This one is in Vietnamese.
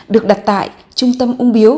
được đặt tại trung tâm ung biếu